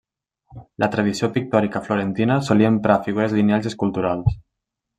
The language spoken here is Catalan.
La tradició pictòrica florentina solia emprar figures lineals i esculturals.